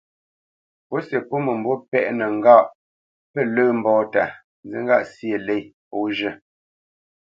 Pǔsi pô mə̂mbû pɛ́ʼnə ŋgâʼ pə lə̂ mbóta, nzí ŋgâʼ syê lě pó zhə́.